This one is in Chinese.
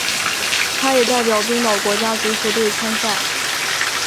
他也代表冰岛国家足球队参赛。